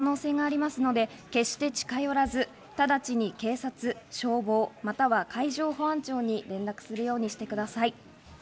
有害な物質が付着している可能性がありますので、決して近寄らず、直ちに警察、消防、または海上保安庁に連絡するようにしてください。